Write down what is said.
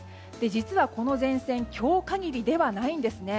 実はこの前線今日限りではないんですね。